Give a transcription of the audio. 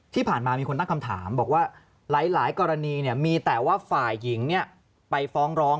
ที่ผ่านมามีคนตั้งคำถามบอกว่าหลายกรณีมีแต่ว่าฝ่ายหญิงไปฟ้องร้อง